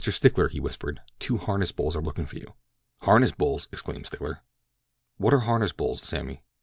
Stickler!" he whispered, "two harness bulls are looking for you." "Harness bulls!" exclaimed Stickler. "What are harness bulls, Sammy?"